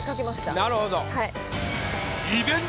なるほど。